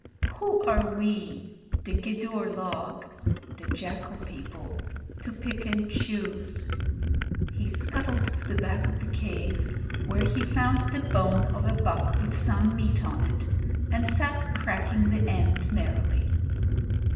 Who are we, the Gidur log [the jackal people], to pick and choose?' He scuttled to the back of the cave, where he found the bone of a buck with some meat on it, and sat cracking the end merrily.